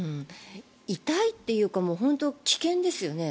痛いというか本当に危険ですよね。